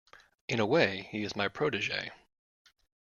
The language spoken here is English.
In a way he is my protege.